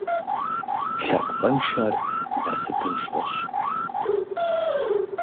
Лъэпкъыншэр насыпыншэщ.